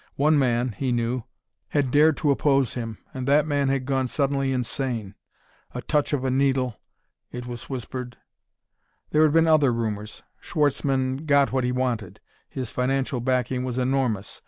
One man, he knew, had dared to oppose him and that man had gone suddenly insane. A touch of a needle, it was whispered.... There had been other rumors; Schwartzmann got what he wanted; his financial backing was enormous.